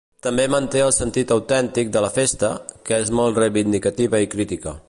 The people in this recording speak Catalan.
També manté el sentit autèntic de la festa, que és molt reivindicativa i crítica.